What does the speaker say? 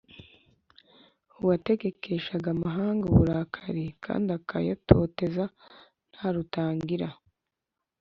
Uwategekeshaga amahanga uburakari kandi akayatoteza nta rutangira